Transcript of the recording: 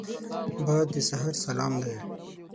باد د سحر سلام دی